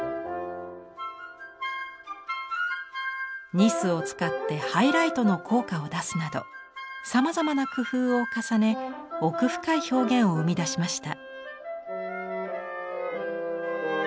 ニスを使ってハイライトの効果を出すなどさまざまな工夫を重ね奥深い表現を生み出しました。